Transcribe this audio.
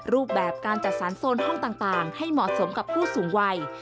รูปแบบการจัดสรรโซนห้องต่างให้เหมาะสมกับผู้สูงวัย